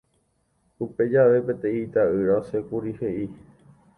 Upe jave peteĩ ita'ýra osẽkuri he'i